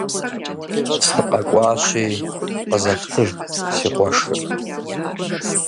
СыкъэкӀуащи, къызэфтыж си къуэшыр.